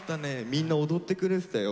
みんな踊ってくれてたよ